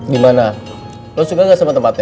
gimana lo suka gak sama tempatnya